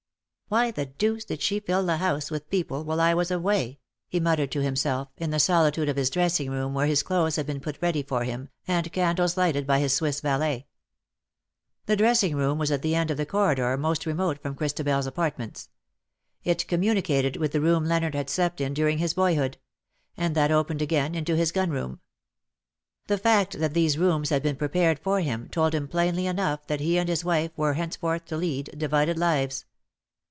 ''Why the deuce did she fill the house with people while I was away," he muttered to himself, in the solitude of his dressing room, where his clothes had been put ready for him, and candles lighted by his Swiss valet. The dressing room was at that end of the corridor most remote from Christabel's apartments. It communicated with the room Leonard had slept in during his boyhood — and that opened again into his gun room. The fact that these rooms had been prepared for him told him plainly enough that he and his wife were henceforth to lead divided lives.